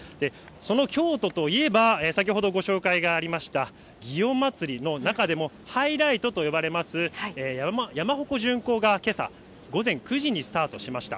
その京都といえば、先ほどご紹介がありました、祇園祭の中でもハイライトと呼ばれます、山鉾巡行がけさ、午前９時にスタートしました。